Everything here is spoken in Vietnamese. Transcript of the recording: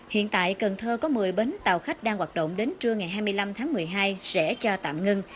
hiện tại cần thơ có một mươi bến tàu khách đang hoạt động đến trưa ngày hai mươi năm tháng một mươi hai sẽ cho tạm ngưng